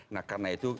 nah karena itu